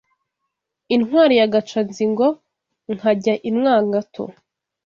Intwari ya Gacanzigo nkajya i Mwangato